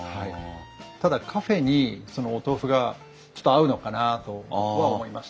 ただカフェにそのお豆腐がちょっと合うのかなとは思いましたね。